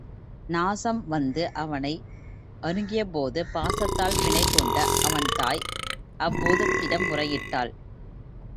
நாசம் வந்து அவனை அணுகியபோது பாசத்தால் பிணிப்புண்ட அவன் தாய் அப்பூதத்திடம் முறையிட்டாள்.